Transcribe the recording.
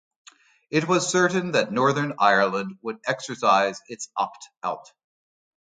It was certain that Northern Ireland would exercise its opt out.